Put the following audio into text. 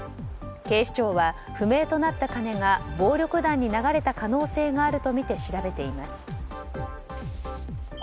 警視庁は、不明となった金が暴力団に流れた可能性があるとみて調べています。